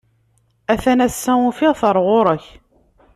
A-t-an ass-a ufiɣ-t ɣer ɣur-k.